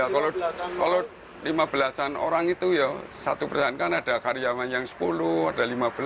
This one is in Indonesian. kalau lima belasan orang itu ya satu persen kan ada karyawan yang sepuluh ada lima belas ada sampai yang dua puluh lima